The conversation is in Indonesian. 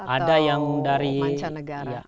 ada yang dari mancanegara